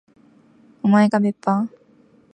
おまえが別班？